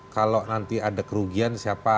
kalau nanti ada kerugian siapa